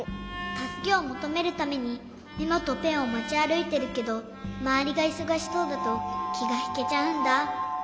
たすけをもとめるためにメモとペンをもちあるいてるけどまわりがいそがしそうだときがひけちゃうんだ。